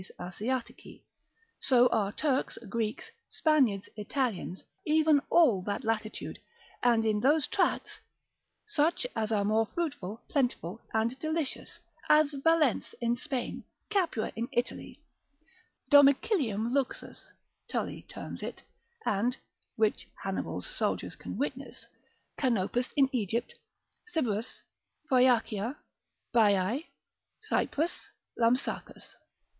5. Molles Asiatici, so are Turks, Greeks, Spaniards, Italians, even all that latitude; and in those tracts, such as are more fruitful, plentiful, and delicious, as Valence in Spain, Capua in Italy, domicilium luxus Tully terms it, and (which Hannibal's soldiers can witness) Canopus in Egypt, Sybaris, Phoeacia, Baiae, Cyprus, Lampsacus.